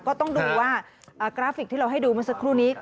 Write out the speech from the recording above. ก็ต้องดูว่ากราฟิกที่เราให้ดูเมื่อสักครู่นี้